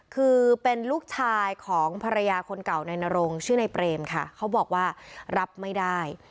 คือเป็นลูกชายของภรรยาคนเก่าในนรงชื่อในเปรมค่ะเขาบอกว่ารับไม่ได้